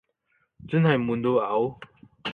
真係悶到嘔